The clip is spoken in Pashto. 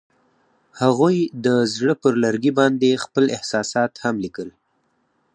هغوی د زړه پر لرګي باندې خپل احساسات هم لیکل.